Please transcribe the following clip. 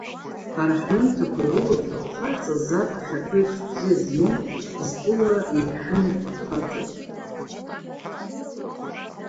Ҳара ҳҩымҭақәа ирыло афырхаҵа заԥхьаҟа аԥеиԥш бзиа змоу, зтәыла иаԥшәмоу фырхаҵоуп.